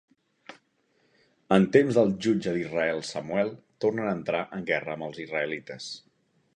En temps del jutge d'Israel Samuel tornen a entrar en guerra amb els israelites.